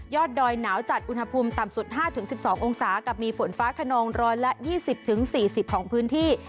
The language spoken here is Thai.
ดอยหนาวจัดอุณหภูมิต่ำสุด๕๑๒องศากับมีฝนฟ้าขนอง๑๒๐๔๐ของพื้นที่